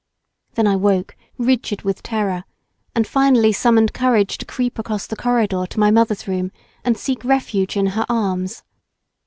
Then I woke, rigid with terror, and finally summoned courage to creep across the corridor to my mother's room and seek refuge in her arms.